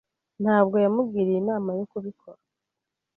Ntabwo yamugiriye inama yo kubikora.